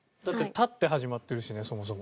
立って始まってるしねそもそも。